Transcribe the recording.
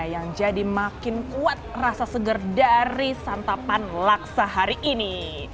yang jadi makin kuat rasa seger dari santapan laksa hari ini